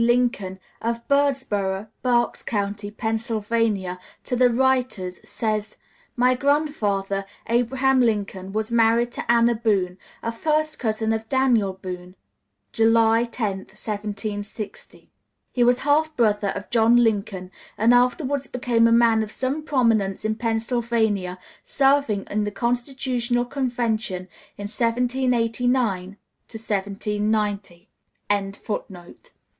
Lincoln, of Birdsboro, Berks County, Pennsylvania, to the writers, says, "My grandfather, Abraham Lincoln, was married to Anna Boone, a first cousin of Daniel Boone, July 10, 1760." He was half brother of John Lincoln, and afterwards became a man of some prominence in Pennsylvania, serving in the Constitutional Convention in 1789 90.] among them both being of Quaker lineage.